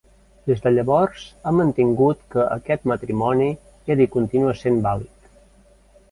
Des de llavors han mantingut que aquest matrimoni era i continua sent vàlid.